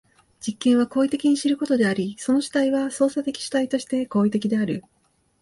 実験は行為的に知ることであり、その主体は操作的主体として行為的である。